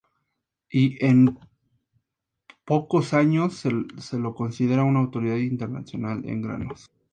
Y en pocos años se lo considera una autoridad international en granos.